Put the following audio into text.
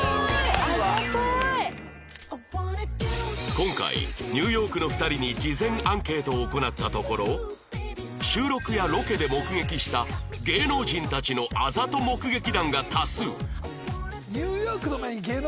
今回ニューヨークの２人に事前アンケートを行ったところ収録やロケで目撃した芸能人たちのあざと目撃談が多数